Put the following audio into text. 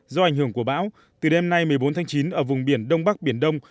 do ảnh hưởng của bão từ đêm nay một mươi bốn tháng chín ở vùng biển đông bắc biển đông